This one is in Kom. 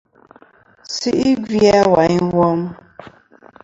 Su'i gvi a wayn wom.